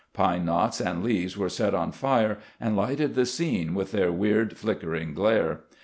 Pine knots and leaves were set on fire, and lighted the scene with their weird, flickering glare.